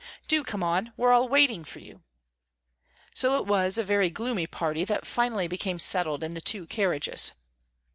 Do come on, we're all waiting for you." So it was a very gloomy party that finally became settled in the two carriages.